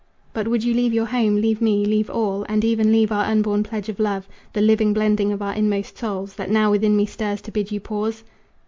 "But would you leave your home, leave me, leave all, And even leave our unborn pledge of love, The living blending of our inmost souls, That now within me stirs to bid you pause?"